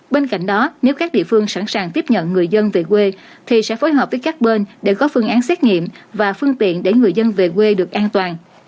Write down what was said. bên cạnh đó nếu các địa phương sẵn sàng tiếp nhận người dân về quê thì sẽ phối hợp với các bên để có phương án xét nghiệm và phương tiện để người dân về quê được an toàn